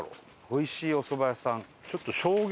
おいしいお蕎麦屋さん。